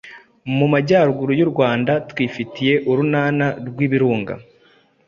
Mu majyaruguru y’u Rwanda twifitiye urunana rw’ibirunga.